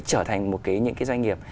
trở thành một cái những cái doanh nghiệp